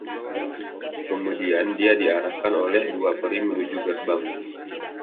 Kemudian, dia diarahkan oleh dua peri menuju gerbang.